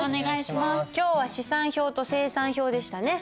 今日は試算表と精算表でしたね。